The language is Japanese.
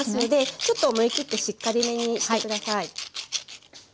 ちょっと思い切ってしっかりめにして下さい。